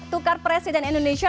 tukar presiden indonesia